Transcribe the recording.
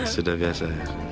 sudah biasa ya